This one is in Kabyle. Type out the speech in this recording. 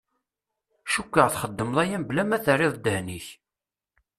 Cukkeɣ txedmeḍ aya mebla ma terriḍ ddehn-ik.